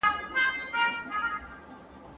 مناسب لباس ماشوم ته راحت ورکوي.